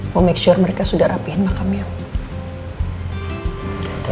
mau make sure mereka sudah rapihin makamnya apa